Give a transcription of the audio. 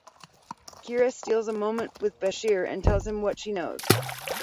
Kira steals a moment with Bashir and tells him what she knows.